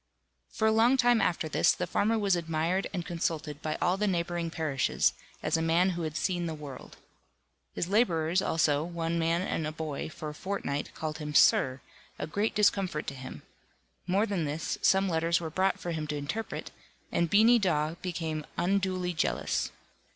For a long time after this, the farmer was admired and consulted by all the neighbouring parishes, as a man who had seen the world. His labourers, also, one man and a boy, for a fortnight called him "Sir," a great discomfort to him; more than this, some letters were brought for him to interpret, and Beany Dawe became unduly jealous.